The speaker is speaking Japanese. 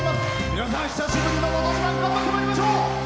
皆さん、久しぶりの「のど自慢」頑張ってまいりましょう！